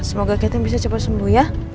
semoga ketim bisa cepat sembuh ya